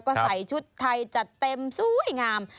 ก็ใส่ชุดไทยจัดเต็มสวยงาม